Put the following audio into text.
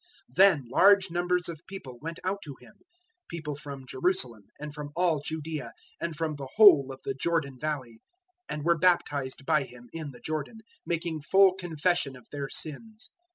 003:005 Then large numbers of people went out to him people from Jerusalem and from all Judaea, and from the whole of the Jordan valley 003:006 and were baptized by him in the Jordan, making full confession of their sins.